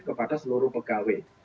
kepada seluruh pegawai